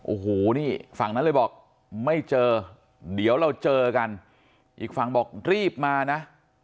โอ้โหนี่ฝั่งนั้นเลยบอกไม่เจอเดี๋ยวเราเจอกันอีกฝั่งบอกรีบมานะ